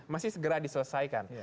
masih segera diselesaikan